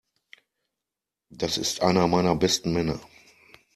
Das ist einer meiner besten Männer.